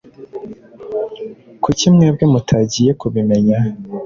Kuki mwebwe mutagiye kubimenya